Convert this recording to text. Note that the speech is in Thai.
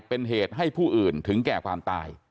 เป็นเหตุให้ผู้อื่นถึงแก่ความตาย